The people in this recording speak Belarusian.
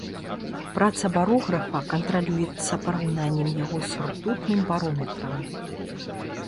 Праца барографа кантралюецца параўнаннем яго з ртутным барометрам.